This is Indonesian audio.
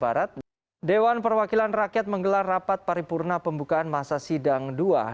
barat dewan perwakilan rakyat menggelar rapat paripurna pembukaan masa sidang dua dua ribu dua puluh satu dua ribu dua puluh dua